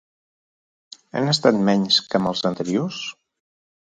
Han estat menys que amb els anteriors?